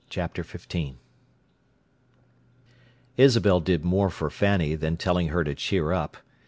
Chapter XV Isabel did more for Fanny than telling her to cheer up.